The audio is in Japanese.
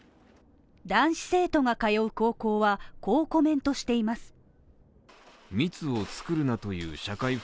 男子生徒が通う高校はこうコメントしています。